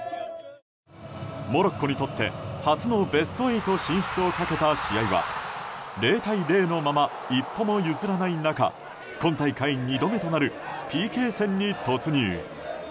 モロッコにとって初のベスト８進出をかけた試合は０対０のまま一歩も譲らない中今大会２度目となるＰＫ戦に突入。